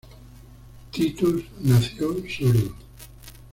Titus nació sordo.